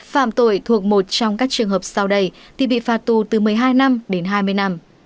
phạm tội thuộc một trong các trường hợp sau đây thì bị phạt tù từ một mươi hai năm đến hai mươi năm